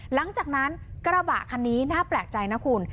หลังจากนั้นกระบะคันนี้น่าแปลกใจนะคุณ